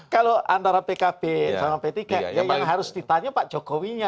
kalau antara pkb sama p tiga yang harus ditanya pak jokowinya